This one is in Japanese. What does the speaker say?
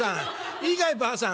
いいかいばあさん」。